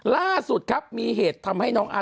ล่าสุดครับมีเหตุทำให้น้องอาร์